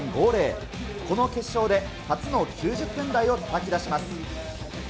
この決勝で初の９０点台をたたき出します。